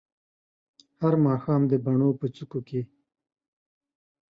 هر ماښام د بڼو په څوکو کې